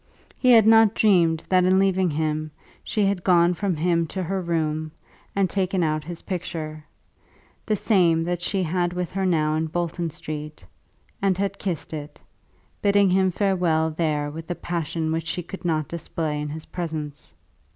He had not dreamed that on leaving him she had gone from him to her room, and taken out his picture, the same that she had with her now in Bolton Street, and had kissed it, bidding him farewell there with a passion which she could not display in his presence.